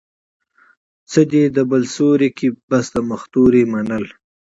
څه دي د بل سيوري کې، بس د مختورۍ منل